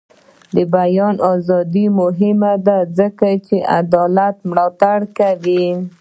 د بیان ازادي مهمه ده ځکه چې د عدالت ملاتړ کوي.